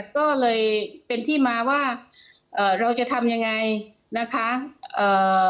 ก็เลยเป็นที่มาว่าเอ่อเราจะทำยังไงนะคะเอ่อ